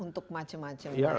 untuk macam macam ya